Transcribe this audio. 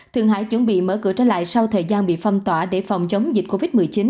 thượng hải chuẩn bị mở cửa trở lại sau thời gian bị phong tỏa để phòng chống dịch covid một mươi chín